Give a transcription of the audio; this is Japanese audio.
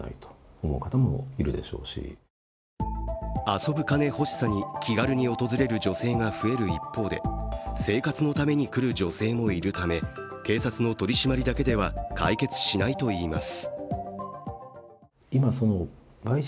遊ぶ金ほしさに気軽に訪れる女性が増える一方で生活のために来る女性もいるため警察の取締りだけでは解決しないといいます。